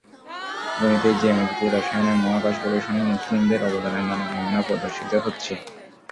গণিতে, জ্যামিতিতে, রসায়নে, মহাকাশ গবেষণায় মুসলিমদের অবদানের নানা নমুনা প্রদর্শিত হচ্ছে।